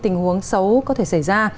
tình huống xấu có thể xảy ra